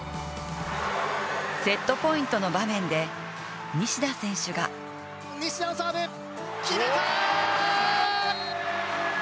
セットポイントの場面で、西田選手が西田のサーブ、決めた！